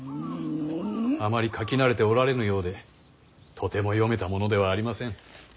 あまり書き慣れておられぬようでとても読めたものではありません。